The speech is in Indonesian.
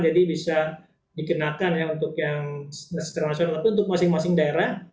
jadi bisa dikenakan ya untuk yang tidak secara nasional tapi untuk masing masing daerah